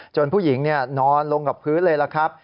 ผู้หญิงนอนลงกับพื้นเลยล่ะครับ